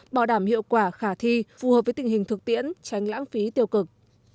bảo đảm hiệu quả khả thi phù hợp với tình hình thực tiễn tránh lãng phí tiêu cực